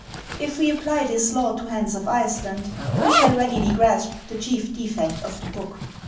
If we apply this law to "Hans of Iceland," we shall readily grasp the chief defect of the book.